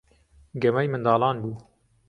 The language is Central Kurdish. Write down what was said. گەمەی منداڵان بوو.